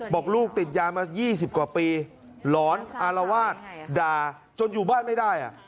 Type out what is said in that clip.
บอกลูกติดยามา๒๐กว่าปีหลอนอารวาสด่าจนอยู่บ้านไม่ได้